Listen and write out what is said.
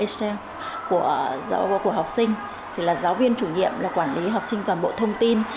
trang của học sinh thì là giáo viên chủ nhiệm là quản lý học sinh toàn bộ thông tin